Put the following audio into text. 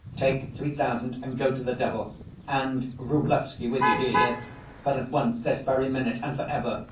Take three thousand and go to the devil, and Vrublevsky with you—d'you hear? But, at once, this very minute, and for ever.